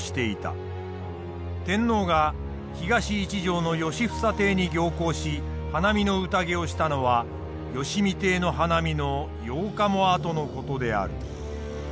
天皇が東一条の良房邸に行幸し花見の宴をしたのは良相邸の花見の８日もあとの事である。